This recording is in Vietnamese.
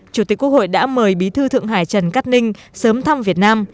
chủ tịch quốc hội đã mời bí thư thượng hải trần cát ninh sớm thăm việt nam